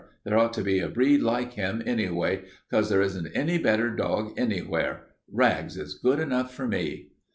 There ought to be a breed like him, anyway, 'cause there isn't any better dog anywhere. Rags is good enough for me."